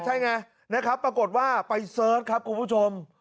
ใช่ไงนะครับปรากฏว่าไปเสิร์ชครับคุณผู้ชม